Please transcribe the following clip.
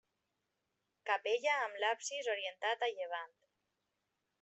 Capella amb l'absis orientat a llevant.